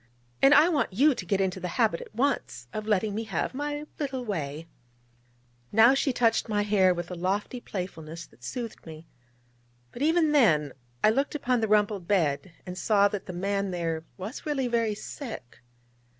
And I want you to get into the habit at once of letting me have my little way ' Now she touched my hair with a lofty playfulness that soothed me: but even then I looked upon the rumpled bed, and saw that the man there was really very sick.